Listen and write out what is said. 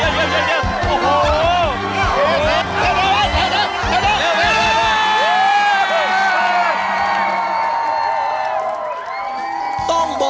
อืม